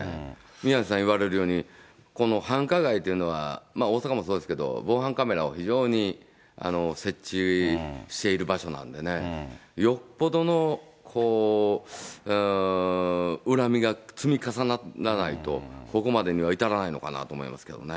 宮根さん言われるように、この繁華街というのは、大阪もそうですけど、防犯カメラを非常に設置している場所なんでね、よっぽどの恨みが積み重ならないと、ここまでには至らないのかなと思いますけどね。